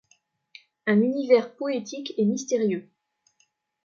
Un univers poétique et mystérieux.